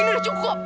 ini udah cukup